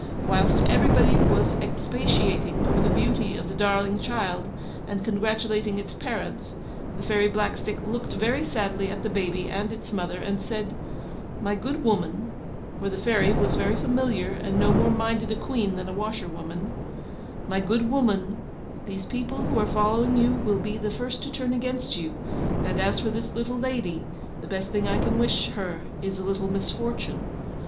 Whilst everybody was expatiating over the beauty of the darling child, and congratulating its parents, the Fairy Blackstick looked very sadly at the baby and its mother, and said, 'My good woman (for the Fairy was very familiar, and no more minded a Queen than a washerwoman) my good woman, these people who are following you will be the first to turn against you; and as for this little lady, the best thing I can wish her is a LITTLE MISFORTUNE.